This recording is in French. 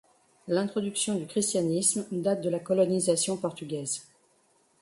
L'introduction du christianisme date de la colonisation portugaise.